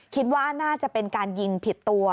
คิดว่าน่าจะเป็นการยิงผิดตัว